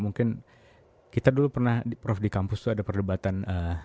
mungkin kita dulu pernah prof di kampus itu ada perdebatan